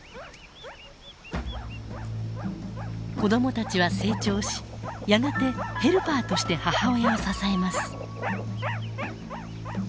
子どもたちは成長しやがてヘルパーとして母親を支えます。